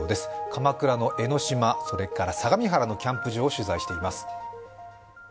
鎌倉の江の島、それから相模原のキャンプ場を取材しています。